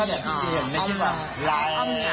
เอ้าอ้อมนายที่อ่ะ